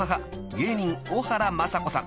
芸人小原正子さん］